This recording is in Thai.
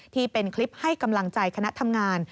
ที่เป็นคลิปให้กำลังใจคณะทำงาน